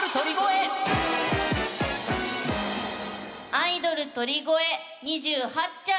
アイドル鳥越２８ちゃい。